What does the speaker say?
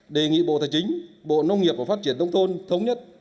đề nghị bộ tài chính bộ nông nghiệp và phát triển đông thôn thống nhất